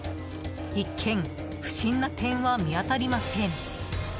一見、不審な点は見当たりません。